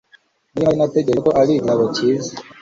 Muri rusange, natekereje ko arigitabo cyiza.